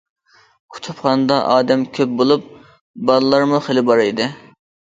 كۇتۇپخانىدا ئادەم كۆپ بولۇپ، بالىلارمۇ خېلى بار ئىدى.